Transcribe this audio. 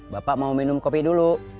bapak mau minum kopi dulu